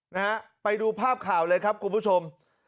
นะฮะไปดูภาพข่าวเลยครับคุณผู้ชม